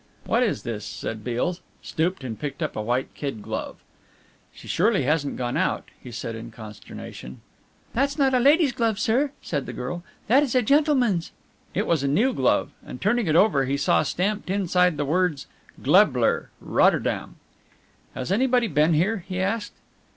"What is this?" said Beale, stooped and picked up a white kid glove. "She surely hasn't gone out," he said in consternation. "That's not a lady's glove, sir," said the girl, "that is a gentleman's." It was a new glove, and turning it over he saw stamped inside the words: "Glebler, Rotterdam." "Has anybody been here?" he asked.